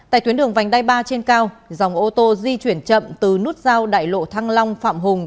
tại tuyến đường vành đai ba trên cao dòng ô tô di chuyển chậm từ nút giao đại lộ thăng long phạm hùng